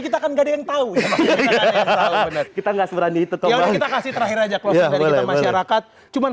kita kan nggak ada yang tahu kita nggak seberani itu kita kasih terakhir aja kemasyarakat cuman